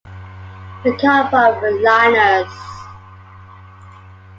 We come from Llanars.